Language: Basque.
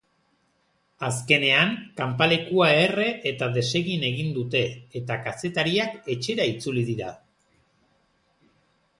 Azkenean kanpalekua erre eta desegin egin dute eta kazetariak etxera itzuli dira.